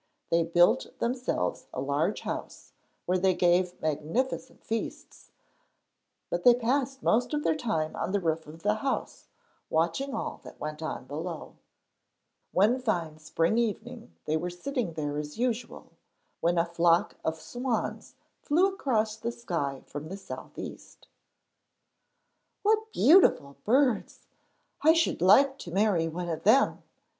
They built themselves a large house where they gave magnificent feasts, but they passed most of their time on the roof of the house, watching all that went on below. [Illustration: WHAT BEAUTIFUL BIRDS! I SHOULD LIKE TO MARRY ONE OF THEM!] One fine spring evening they were sitting there as usual, when a flock of swans flew across the sky from the south east. 'What beautiful birds! I should like to marry one of them!'